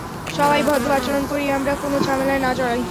সবাই ভদ্র আচরণ করি আমরা, কোনো ঝামেলায় না জড়াই।